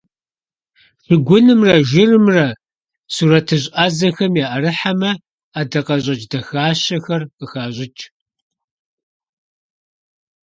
Шыгунымрэ жырымрэ сурэтыщӀ Ӏэзэхэм яӀэрыхьэмэ, ӀэдакъэщӀэкӀ дахащэхэр къыхащӀыкӀ.